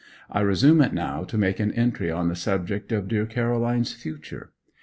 I resume it now to make an entry on the subject of dear Caroline's future.